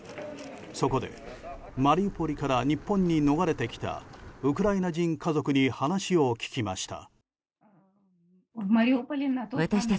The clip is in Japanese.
そこで、マリウポリから日本に逃れてきたウクライナ人家族に話を聞きました。